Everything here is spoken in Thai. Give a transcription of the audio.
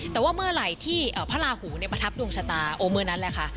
แต่ว่าเมื่อไหร่ที่พระราหูประทับดวงชะตาโอ้เมื่อนั้นแหละค่ะ